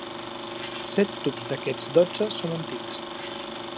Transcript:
Set tubs d'aquests dotze són antics.